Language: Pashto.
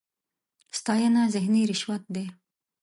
ستاېنه ذهني رشوت دی.